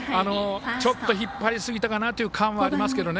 引っ張りすぎたかなという感はありますけどね。